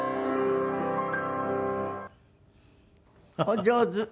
お上手。